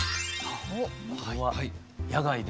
これは野外で。